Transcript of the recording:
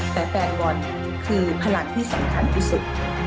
แต่แฟนบอลคือพลังที่สำคัญที่สุด